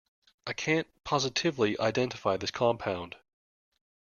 I can't positively identify this compound.